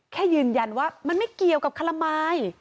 แค่ยืนยันว่ามันไม่เกี่ยวกับขลมาย